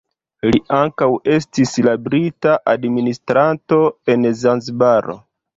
Li ankaŭ estis la brita administranto en Zanzibaro.